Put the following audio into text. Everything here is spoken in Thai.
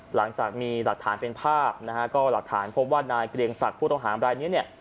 หลังจากมีหลักฐานเป็นภาพนะฮะก็หลักฐานพบว่านายเกรียงศักดิ์ผู้ต้องหามรายนี้เนี่ย